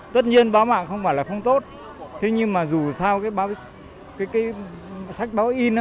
tất nhiên báo mạng không phải là không tốt thế nhưng mà dù sao sách báo in sách in là nó cũng có giá trị khác của nó